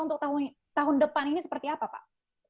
untuk tahun depan ini seperti apa pak